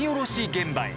現場へ。